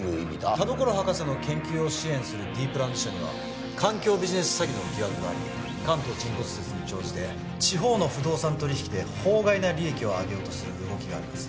田所博士の研究を支援するＤプランズ社には環境ビジネス詐欺の疑惑があり関東沈没説に乗じて地方の不動産取引で法外な利益を上げようとする動きがあります